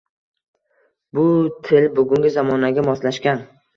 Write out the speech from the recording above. bu til bugungi zamonaga moslashgan